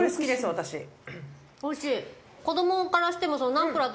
私おいしい